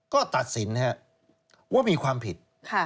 ก็ตัดสินว่ามีความผิด